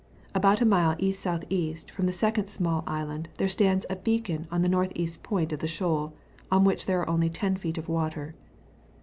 About a mile E.S.E. from the second small island there stands a beacon on the N.E. point of the shoal, on which are only 10 feet water.